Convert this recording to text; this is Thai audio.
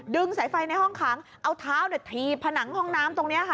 สายไฟในห้องขังเอาเท้าถีบผนังห้องน้ำตรงนี้ค่ะ